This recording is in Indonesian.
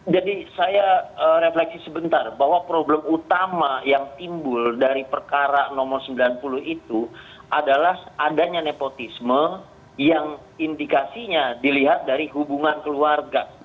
jadi saya refleksi sebentar bahwa problem utama yang timbul dari perkara nomor sembilan puluh itu adalah adanya nepotisme yang indikasinya dilihat dari hubungan keluarga